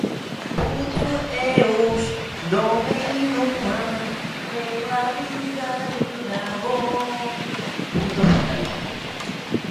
PuntuEus domeinua erabilgarri dago.